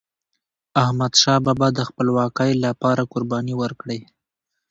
احمدشاه بابا د خپلواکی لپاره قرباني ورکړې.